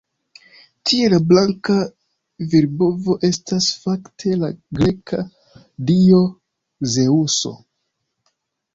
Tie la blanka virbovo estas fakte la greka dio Zeŭso.